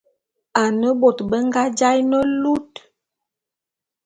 Ane bôt be nga jaé ne lut.